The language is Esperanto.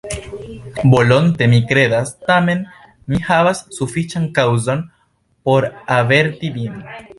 Volonte mi kredas; tamen mi havas sufiĉan kaŭzon, por averti vin.